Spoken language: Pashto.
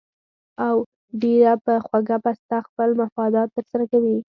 او ډېره پۀ خوږه پسته خپل مفادات تر سره کوي